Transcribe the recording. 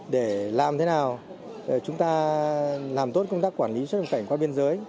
để làm thế nào chúng ta làm tốt công tác quản lý xuất nhập cảnh qua biên giới